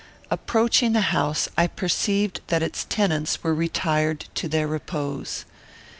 Approaching the house, I perceived that its tenants were retired to their repose.